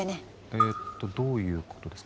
えっとどういうことですか？